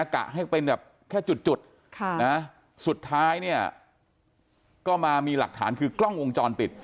กะให้เป็นแบบแค่จุดสุดท้ายเนี่ยก็มามีหลักฐานคือกล้องวงจรปิด